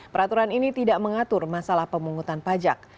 peraturan ini tidak mengatur masalah pemungutan pajak